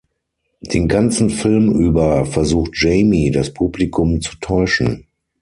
Den ganzen Film über versucht Jamie das Publikum zu täuschen.